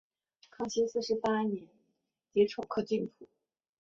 康熙四十八年己丑科进士。